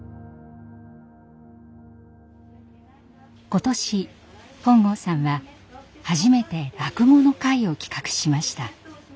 今年本郷さんは初めて落語の会を企画しました。